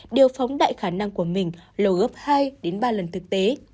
điều phóng đại khả năng của mình lâu gấp hai đến ba lần thực tế